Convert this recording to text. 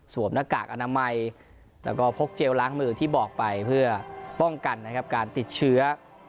หน้ากากอนามัยแล้วก็พกเจลล้างมือที่บอกไปเพื่อป้องกันนะครับการติดเชื้อ